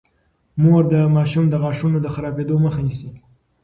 مور د ماشومانو د غاښونو د خرابیدو مخه نیسي.